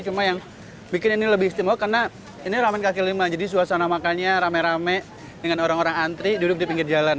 cuma yang bikin ini lebih istimewa karena ini ramen kaki lima jadi suasana makannya rame rame dengan orang orang antri duduk di pinggir jalan